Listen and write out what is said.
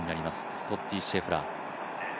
スコッティ・シェフラー。